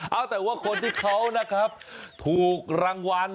เอาแต่ว่าคนที่เขาถูกรางวัล